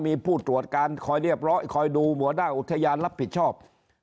มีผู้ตรวจการคอยเรียบร้อยคอยดูหัวหน้าอุทยานรับผิดชอบ